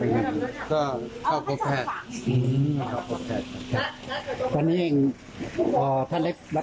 ปัญหาสุขภาพว่าบริเวณเช้าเป็นไงฟันครับ